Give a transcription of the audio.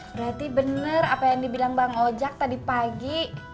berarti benar apa yang dibilang bang ojak tadi pagi